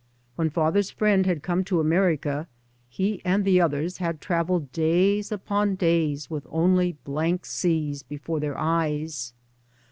When father's friend had come to America he and the others had travelled days upon days with only blank seas before their eyes.